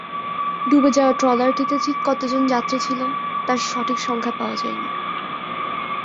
ডুবে যাওয়া ট্রলারটিতে ঠিক কতজন যাত্রী ছিল, তার সঠিক সংখ্যা পাওয়া যায়নি।